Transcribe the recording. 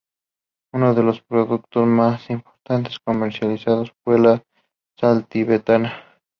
Uno de los productos más importantes comercializados fue la sal tibetana.